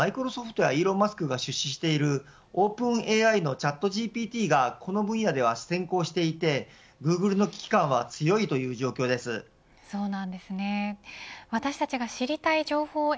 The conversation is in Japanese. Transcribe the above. しかもマイクロソフトやイーロン・マスクが出資しているＯｐｅｎＡＩのＣｈａｔＧＰＴがこの分野では先行していてグーグルの危機感は強いという状況です。